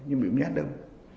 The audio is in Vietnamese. nhưng bị mát đâu